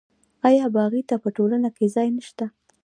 آیا باغي ته په ټولنه کې ځای نشته؟